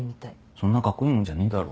そんなカッコいいもんじゃねえだろ。